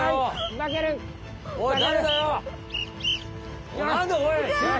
おい！